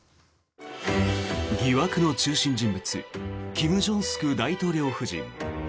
疑惑の中心人物キム・ジョンスク大統領夫人。